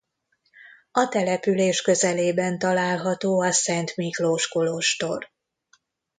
A település közelében található a Szent Miklós kolostor.